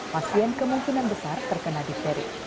pasien kemungkinan besar terkena difteri